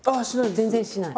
全然しない？